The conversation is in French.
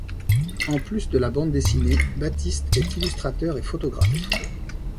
En plus de la bande dessinée, Batist est illustrateur et photographe.